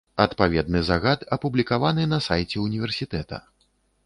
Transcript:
Адпаведны загад апублікаваны на сайце ўніверсітэта.